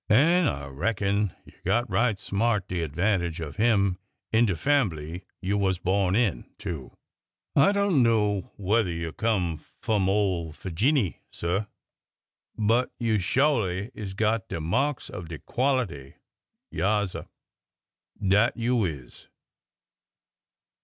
An' I reckon you got right smart de advantage of him in de fambly you was born in, too! I don't know whether you come f'om ole Figinny, sir, but you sho'ly is got de marks of de quality 1 Yaassir!